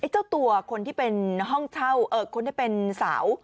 เจ้าตัวคนที่เป็นห้องเช่าคนที่เป็นสาว